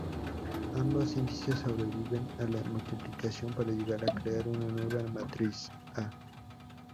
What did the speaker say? Ambos índices sobreviven a la multiplicación para llegar a crear una nueva matriz "A".